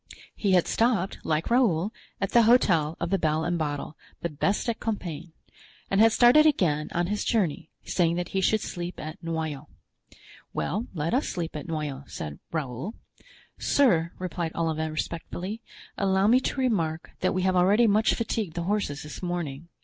He had stopped, like Raoul, at the Hotel of the Bell and Bottle, the best at Compiegne; and had started again on his journey, saying that he should sleep at Noyon. "Well, let us sleep at Noyon," said Raoul. "Sir," replied Olivain, respectfully, "allow me to remark that we have already much fatigued the horses this morning.